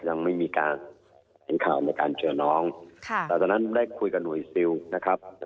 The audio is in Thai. ยังไม่มีการเห็นข่าวในการเจอน้องค่ะแต่ตอนนั้นได้คุยกับหน่วยซิลนะครับ